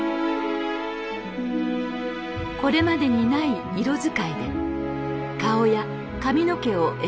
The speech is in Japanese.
これまでにない色使いで顔や髪の毛を描きます。